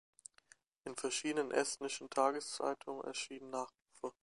In verschiedenen estnischen Tageszeitungen erschienen Nachrufe.